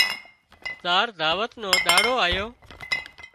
زار دعوت نو ۮاڙو آيو